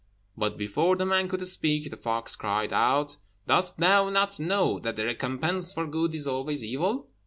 But before the man could speak the fox cried out, "Dost thou not know that the recompense for good is always evil?